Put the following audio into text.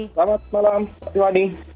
selamat malam mas ardi